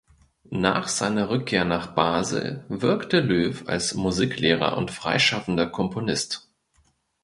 Nach seiner Rückkehr nach Basel wirkte Löw als Musiklehrer und freischaffender Komponist.